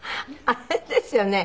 あれですよね。